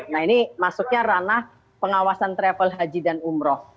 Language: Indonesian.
nah ini masuknya ranah pengawasan travel haji dan umroh